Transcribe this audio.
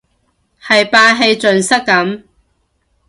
係霸氣盡失咁